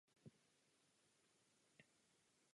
Vyskytují se na mnohých kopcích v této oblasti.